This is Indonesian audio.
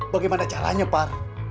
bagaimana caranya par